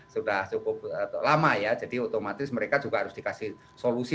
sudah cukup lama ya jadi otomatis mereka juga harus dikasih solusi